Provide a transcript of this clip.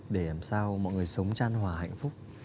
để làm sao mọi người sống tràn hòa hạnh phúc